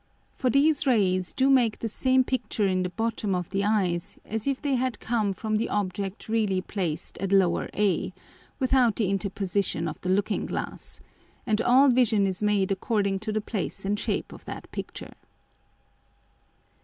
For these Rays do make the same Picture in the bottom of the Eyes as if they had come from the Object really placed at a without the Interposition of the Looking glass; and all Vision is made according to the place and shape of that Picture.